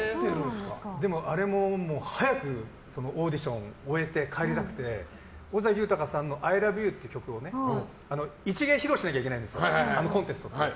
でも、あれも早くオーディションを終えて帰りたくて尾崎豊さんの「アイラブユー」って曲を一芸を披露しなきゃいけないんですコンテストで。